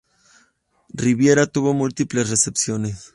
Riviera tuvo múltiples recepciones.